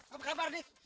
apa kabar dik